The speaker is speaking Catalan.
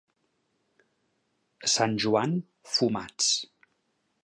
A Sant Joan, fumats.